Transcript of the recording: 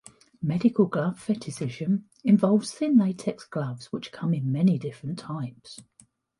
Medical glove fetishism involves thin latex gloves, which come in many different types.